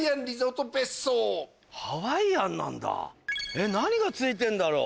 えっ何が付いてるんだろう？